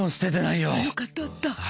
よかったあった。